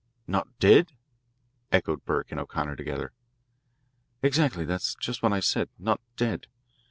"Not dead?" echoed Burke and O'Connor together. "Exactly; that's just what I said not dead.